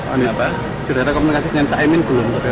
anies sudah ada komunikasi dengan caimin belum